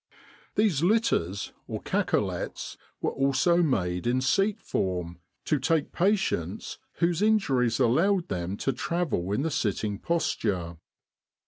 These litters, or cacolets, were also made in seat form, to take patients whose injuries allowed them to travel in the sitting posture.